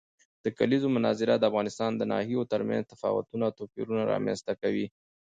د کلیزو منظره د افغانستان د ناحیو ترمنځ تفاوتونه او توپیرونه رامنځ ته کوي.